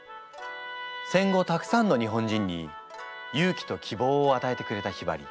戦後たくさんの日本人に勇気と希望をあたえてくれたひばり。